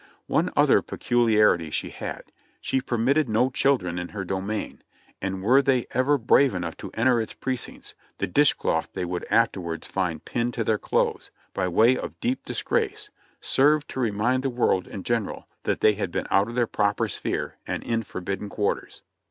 One other peculiarity she had — she permitted no children in her domain, and were they ever brave enough to enter its precincts, the dish cloth they would after wards find pinned to their clothes, by way of deep disgrace, served to remind the world in general that they had been out of their proper sphere and in forbidden quarters.